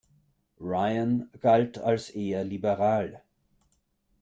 Ryan galt als eher liberal.